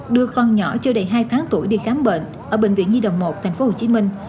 đưa con nhỏ chưa đầy hai tháng tuổi đi khám bệnh ở bệnh viện nhi đồng một tp hcm